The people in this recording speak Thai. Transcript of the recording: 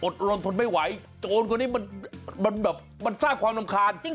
รนทนไม่ไหวโจรคนนี้มันแบบมันสร้างความรำคาญ